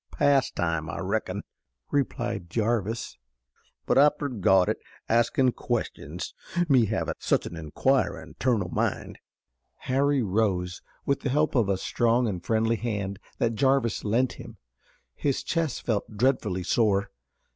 "Past time, I reckon," replied Jarvis, "but I forgot it askin' questions, me havin' such an inquirin' turn o' mind." Harry rose, with the help of a strong and friendly hand that Jarvis lent him. His chest felt dreadfully sore.